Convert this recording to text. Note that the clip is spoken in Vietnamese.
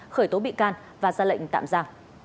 khởi tố bị can và ra lệnh tạm giả